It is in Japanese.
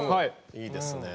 いいですねえ。